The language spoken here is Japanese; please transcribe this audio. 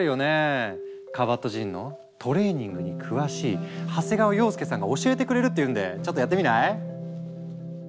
カバットジンのトレーニングに詳しい長谷川洋介さんが教えてくれるって言うんでちょっとやってみない？